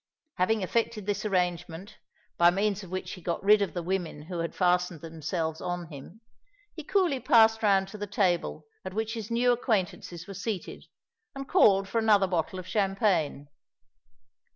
Having effected this arrangement, by means of which he got rid of the women who had fastened themselves on him, he coolly passed round to the table at which his new acquaintances were seated, and called for another bottle of champagne.